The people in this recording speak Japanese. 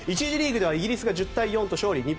１次リーグではイギリスが１０対４と勝利。